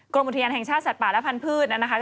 กรมอุทยานแห่งชาติสัตว์ป่าและพันธุ์นะคะ